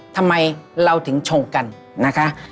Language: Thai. ทำไมเราถึงชงกันนะคะ